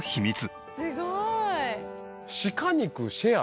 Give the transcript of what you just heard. すごい！